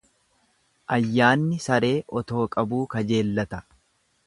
Ayyaanni saree otoo qabuu kajeellata.